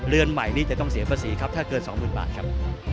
เรือนใหม่นี้จะต้องเสียภาษีครับถ้าเกินสองหมื่นบาทครับ